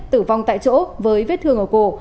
tử vong tại chỗ với vết thương ở cổ